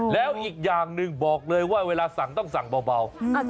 แล้วอีกอย่างหนึ่งบอกเลยว่าเวลาสั่งต้องสั่งเบา